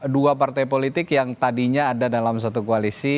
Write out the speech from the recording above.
dua partai politik yang tadinya ada dalam satu koalisi